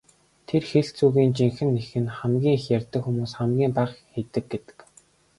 Тэр хэлц үгийн жинхэнэ эх нь "хамгийн их ярьдаг хүмүүс хамгийн бага хийдэг" гэдэг.